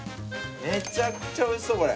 めちゃくちゃおいしそうこれ。